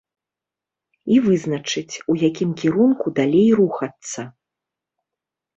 І вызначыць, у якім кірунку далей рухацца.